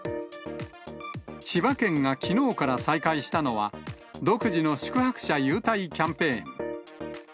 千葉県がきのうから再開したのは、独自の宿泊者優待キャンペーン。